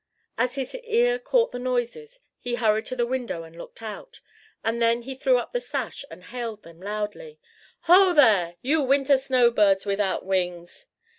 As his ear caught the noises, he hurried to the window and looked out; and then he threw up the sash and hailed them loudly: "Ho, there! you winter snow birds without wings!"